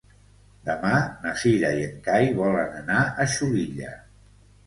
Demà na Cira i en Cai volen anar a Xulilla.